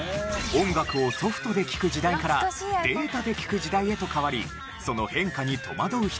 音楽をソフトで聴く時代からデータで聴く時代へと変わりその変化にとまどう人も多かったはず。